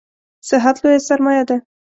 صحت لویه سرمایه ده